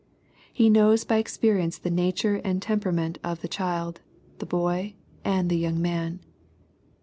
He knows by experience the nature and temperament of the child, the boy, and the young man.